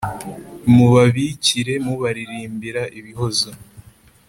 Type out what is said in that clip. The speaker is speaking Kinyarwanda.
mubabikire mubaririmbira ibihozo